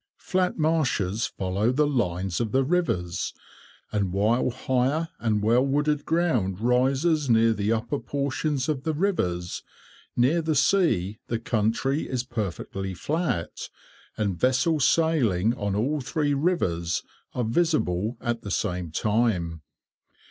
Flat marshes follow the lines of the rivers, and while higher and well wooded ground rises near the upper portions of the rivers, near the sea the country is perfectly flat, and vessels sailing on all three rivers are visible at the same time.